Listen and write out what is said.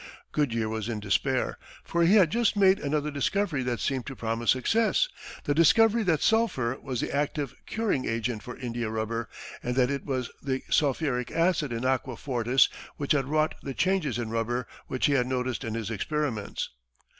Goodyear was in despair, for he had just made another discovery that seemed to promise success the discovery that sulphur was the active "curing" agent for India rubber, and that it was the sulphuric acid in aqua fortis which had wrought the changes in rubber which he had noticed in his experiments.